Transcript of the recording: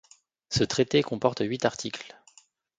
Ce traité comporte huit articles.